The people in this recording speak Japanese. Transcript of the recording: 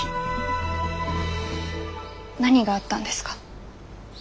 何があったんですか？